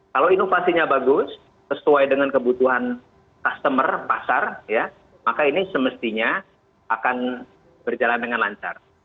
kalau inovasinya bagus sesuai dengan kebutuhan customer pasar maka ini semestinya akan berjalan dengan lancar